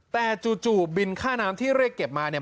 แต่จู่บินค่าน้ำที่เรียกเก็บมาเนี่ย